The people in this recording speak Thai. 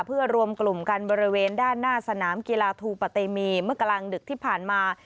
เพื่อรวมกลุ่มกันบริเวณด้านหน้าสนามกีฬาทูปะเตมีเมื่อกลางดึกที่ผ่านมา